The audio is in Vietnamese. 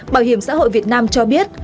bảo hiểm xã hội việt nam cho biết